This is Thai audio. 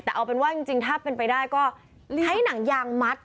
แต่เอาเป็นว่าจริงถ้าเป็นไปได้ก็ใช้หนังยางมัด